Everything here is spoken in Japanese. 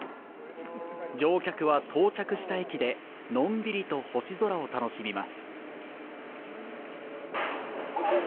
乗客は、到着した駅でのんびりと星空を楽しみます。